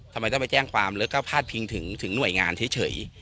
ทำไมต้องไปแจ้งความแล้วก็พาดพิงถึงหน่วยงานเฉย